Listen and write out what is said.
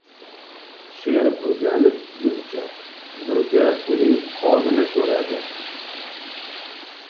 • Sher burgani tutguncha, burga uning qonini so‘radi.